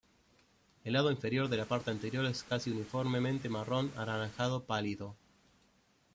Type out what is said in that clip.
El lado inferior de la parte anterior es casi uniformemente marrón anaranjado pálido.